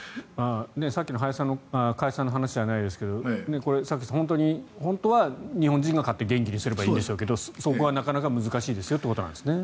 さっきの加谷さんの話じゃないですが本当は日本人が買って元気にすればいいんでしょうけどそこはなかなか難しいですよということなんですね。